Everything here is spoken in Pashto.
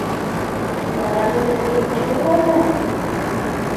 دلارام یو ډېر لوی او مشهور بازار لري.